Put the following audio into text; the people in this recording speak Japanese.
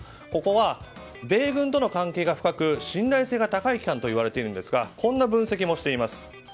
ここは米軍との関係が深く信頼性が高い機関といわれているんですがこんな分析もしています。